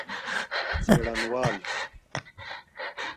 څېړنوال